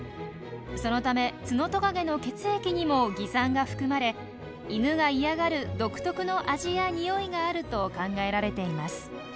そのためツノトカゲの血液にも蟻酸が含まれイヌが嫌がる独特の味や臭いがあると考えられています。